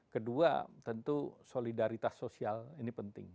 kedua tentu solidaritas sosial ini penting